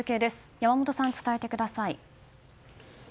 山本さん、伝えてください。